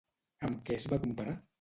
Amb què es va comparar?